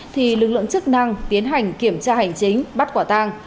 thì lực lượng chức năng tiến hành kiểm tra hành chính bắt quả tang